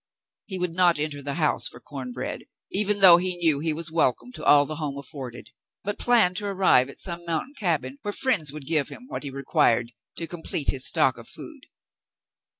He would not enter the house for corn bread, even though he knew he was welcome to all the home afforded, but planned to arrive at some mountain cabin where friends would give him what he required to complete his stock of food.